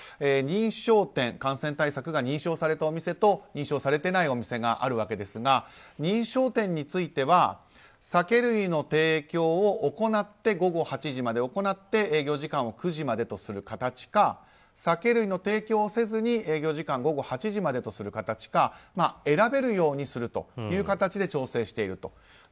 認証店、感染対策が認証されたお店と認証されてないお店があるわけですが認証店については、酒類の提供を午後８時まで行って営業時間を９時までとする形か酒類の提供をせずに営業時間午後８時までとする形か選べるようにするという形で調整していると。